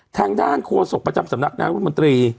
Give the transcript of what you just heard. ทางด้านโฆษกประจำสำนักนายรัฐมนตรี